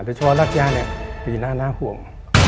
แต่เฉพาะรักย่าเนี่ยปีหน้าน่าห่วง